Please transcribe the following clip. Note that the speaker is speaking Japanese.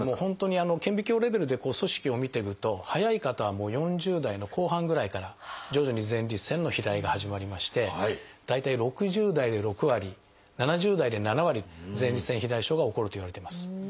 本当に顕微鏡レベルで組織を見ていくと早い方はもう４０代の後半ぐらいから徐々に前立腺の肥大が始まりまして大体６０代で６割７０代で７割前立腺肥大症が起こるといわれてます。